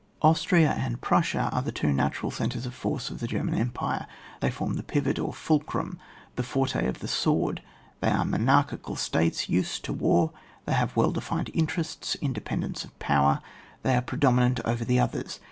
Austria and Prussia are the two natural centres of force of the German empire ; they form the pivot (or fulcrum), the forte of the sword ; they are monarchical states, used to war ; they have well de fined interests, independence of power; they are predominant over the others.